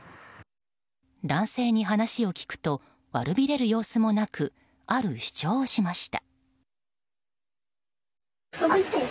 男性に話を聞くと悪びれる様子もなくある主張をしました。